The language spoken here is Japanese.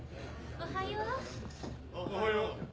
おはよう。